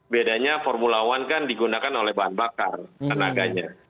bedanya formula one kan digunakan oleh bahan bakar tenaganya